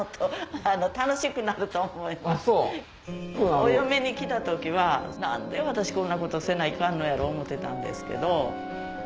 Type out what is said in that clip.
お嫁に来た時は「何で私こんなことせないかんのやろう」思ってたんですけど。